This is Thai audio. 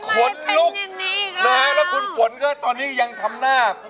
ขนลุกนะฮะแล้วคุณฝนก็ตอนนี้ยังทำหน้า